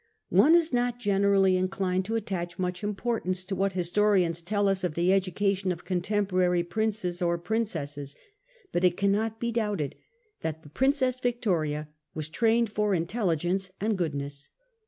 One is not generally inclined to attach much importance to what historians tell us of the education of contemporary princes or princesses ; but it cannot be doubted that the Princess Victoria was trained for i intelligence and goodness.